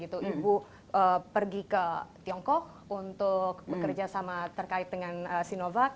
ibu pergi ke tiongkok untuk bekerja sama terkait dengan sinovac